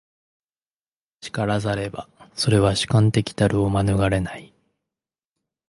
然らざれば、それは主観的たるを免れない。